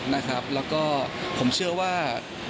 แล้วก็ผมเชื่อว่า